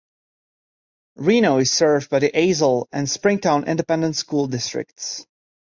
Reno is served by the Azle and Springtown Independent School Districts.